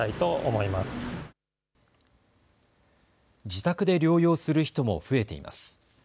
自宅で療養する人も増えています。